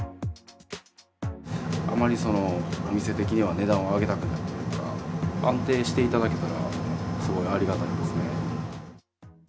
あまりお店的には値段を上げたくないというか、安定していただけたらすごいありがたいんですね。